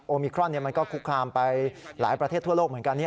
มิครอนมันก็คุกคามไปหลายประเทศทั่วโลกเหมือนกัน